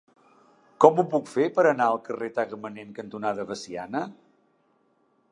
Com ho puc fer per anar al carrer Tagamanent cantonada Veciana?